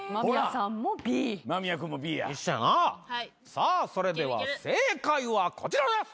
さあそれでは正解はこちらです！